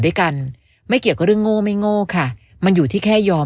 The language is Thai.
ด้วยกันไม่เกี่ยวกับเรื่องโง่ไม่โง่ค่ะมันอยู่ที่แค่ยอม